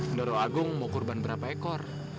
mendorong agung mau kurban berapa ekor